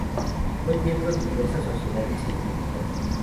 Fue miembro de diversas sociedades científicas.